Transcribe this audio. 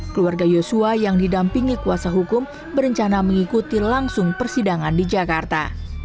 keluarga yosua yang didampingi kuasa hukum berencana mengikuti langsung persidangan di jakarta